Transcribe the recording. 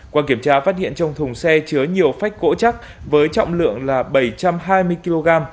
qua kiểm tra phát hiện trong thùng xe chứa nhiều phách gỗ chắc với trọng lượng là bảy trăm hai mươi kg